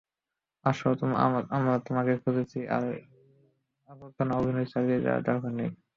আসো আমরা তোমাকেই খুজছি, এখন আর তার আবর্জনা অভিনয় চালিয়ে যাওয়ার দরকার নেই।